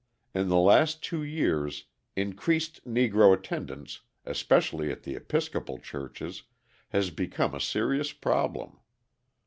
In the last two years increased Negro attendance, especially at the Episcopal churches, has become a serious problem.